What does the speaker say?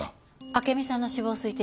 暁美さんの死亡推定